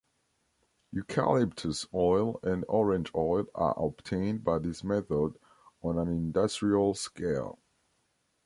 Eucalyptus oil and orange oil are obtained by this method on an industrial scale.